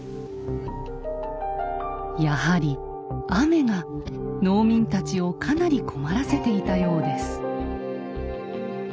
やはり雨が農民たちをかなり困らせていたようです。